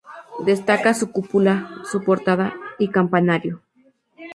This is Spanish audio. Destaca su cúpula, su portada y campanario.